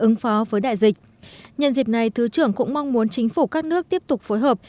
nhân dịp này thứ trưởng cũng mong muốn chính phủ các nước tiếp tục phối hợp